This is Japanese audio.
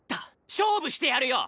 勝負してやるよ！